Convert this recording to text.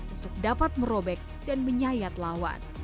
untuk dapat merobek dan menyayat lawan